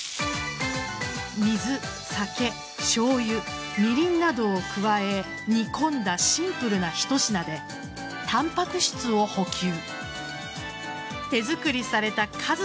水、酒、しょうゆみりんなどを加え煮込んだシンプルな一品でたんぱく質を補給。